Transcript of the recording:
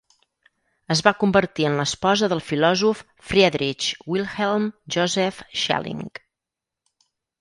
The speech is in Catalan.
Es va convertir en l'esposa del filòsof Friedrich Wilhelm Joseph Schelling.